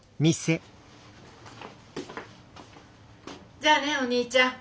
じゃあねお兄ちゃん。